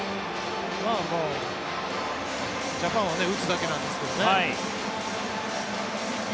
ジャパンは打つだけなんですけどね。